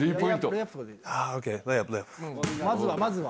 まずは、まずは？